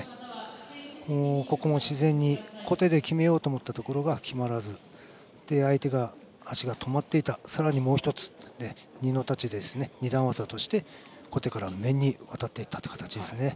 ここも自然に小手で決めようと思ったところが決まらず相手が足が止まっていたさらにもう１つ二の太刀で、二段技として小手から面にわたっていった形ですね。